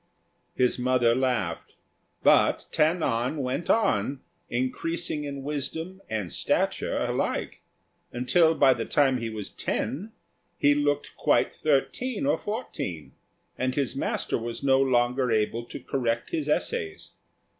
His mother laughed; but Ta nan went on, increasing in wisdom and stature alike, until by the time he was ten, he looked quite thirteen or fourteen, and his master was no longer able to correct his essays.